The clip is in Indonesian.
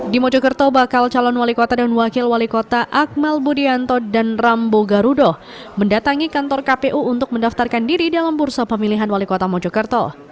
di mojokerto bakal calon wali kota dan wakil wali kota akmal budianto dan rambo garudo mendatangi kantor kpu untuk mendaftarkan diri dalam bursa pemilihan wali kota mojokerto